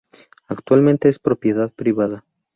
Actualmente es de propiedad privada.